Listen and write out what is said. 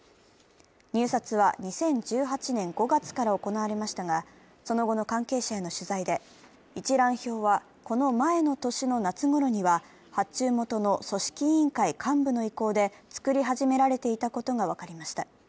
入札は２０１８年５月から行われましたが、その後の関係者への取材で、一覧表はこの前の年の夏ごろには発注元の組織委員会幹部の意向で作り始められていたことが分かりました。